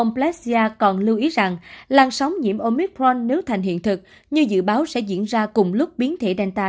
tôi nghĩ rằng làn sóng nhiễm omicron nếu thành hiện thực như dự báo sẽ diễn ra cùng lúc biến thể delta